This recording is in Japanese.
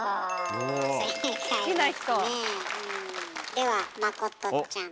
ではまことちゃん。